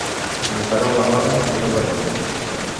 Ni paraula mala, ni obra bona.